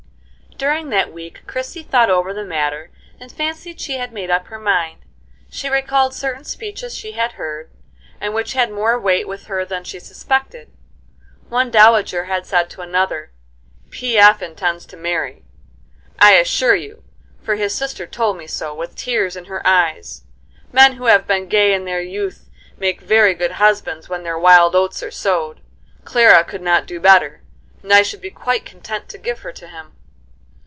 During that week Christie thought over the matter, and fancied she had made up her mind. She recalled certain speeches she had heard, and which had more weight with her than she suspected. One dowager had said to another: "P. F. intends to marry, I assure you, for his sister told me so, with tears in her eyes. Men who have been gay in their youth make very good husbands when their wild oats are sowed. Clara could not do better, and I should be quite content to give her to him."